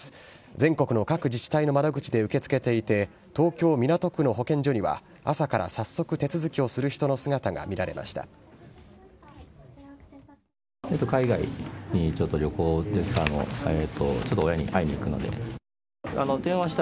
全国の各自治体の窓口で受け付けていて、東京・港区の保健所には、朝から早速、手続きをする人の姿が見られました。